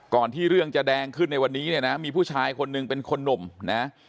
ที่เรื่องจะแดงขึ้นในวันนี้เนี่ยนะมีผู้ชายคนหนึ่งเป็นคนหนุ่มนะ